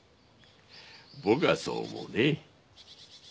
僕はそう思うね。